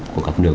của các nước